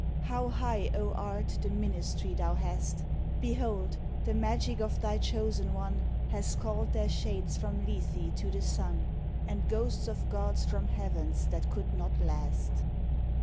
How high, O Art, the ministry thou hast! Behold! the magic of thy chosen one Has called their shades from Lethe to the sun, And ghosts of gods from heavens that could not last.